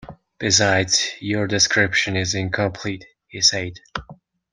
"Besides, your description is incomplete," he said.